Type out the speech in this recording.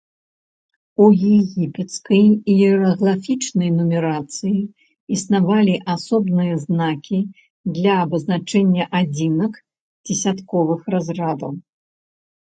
У егіпецкай іерагліфічнай нумарацыі існавалі асобныя знакі для абазначэння адзінак дзесятковых разрадаў.